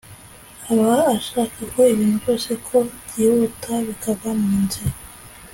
Aba ashaka ko ibintu byose ko byihuta bikava mu nzira